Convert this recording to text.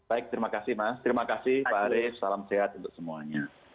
baik terima kasih mas terima kasih pak arief salam sehat untuk semuanya